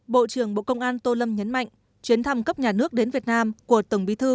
bộ trưởng bộ công an tô lâm nhấn mạnh chuyến thăm cấp nhà nước đến việt nam của tổng bí thư